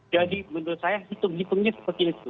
jadi menurut saya hitung hitungnya seperti itu